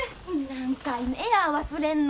何回目や忘れんの。